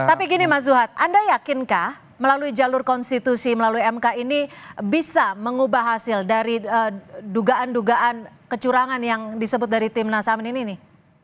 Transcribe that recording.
tapi gini mas zuhad anda yakinkah melalui jalur konstitusi melalui mk ini bisa mengubah hasil dari dugaan dugaan kecurangan yang disebut dari tim nasamin ini nih